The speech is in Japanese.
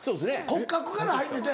骨格から入んねて。